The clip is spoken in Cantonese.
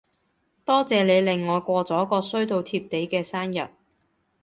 多謝你令我過咗個衰到貼地嘅生日